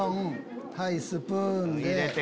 はいスプーンで。